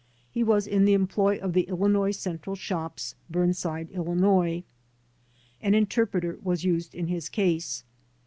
He was in the employ of the Illinois Central Shops, Burnside, Illinois. An inter preter was used in his case.